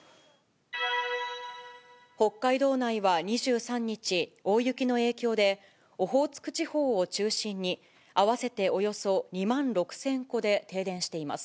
北海道内は２３日、大雪の影響で、オホーツク地方を中心に、合わせておよそ２万６０００戸で停電しています。